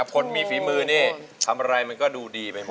คนมีฝีมือนี้ทำอะไรมันก็ดูดีไปหมดนะครับคุณเอ